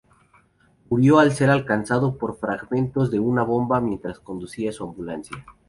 Murió al ser alcanzado por fragmentos de una bomba mientras conducía su ambulancia.